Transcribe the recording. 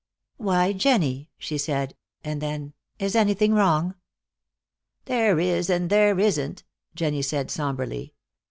"Why, Jennie!" she said. And then: "Is anything wrong?" "There is and there isn't," Jennie said, somberly.